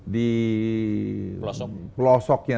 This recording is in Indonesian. di pelosok yang